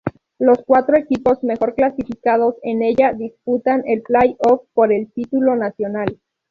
Los cuatro equipos mejor clasificados en ella disputan el play-off por el título nacional.